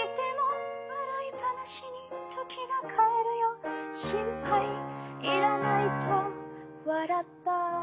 「笑い話に時が変えるよ」「心配いらないと笑った」